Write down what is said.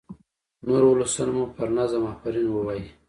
نور ولسونه مو پر نظم آفرین ووايي.